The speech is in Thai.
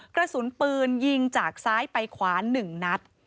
กระสุนปืนยิงจากซ้ายไปขวา๑นัด